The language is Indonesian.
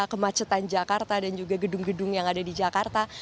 kemacetan jakarta dan juga gedung gedung yang ada di jakarta